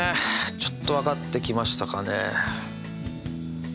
ちょっとわかってきましたかね。